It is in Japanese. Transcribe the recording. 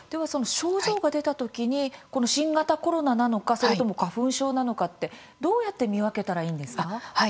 症状が出たときにこの新型コロナなのかそれとも花粉症なのかってどうやって見分けたらいいんですか？